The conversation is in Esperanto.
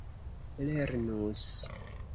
lernus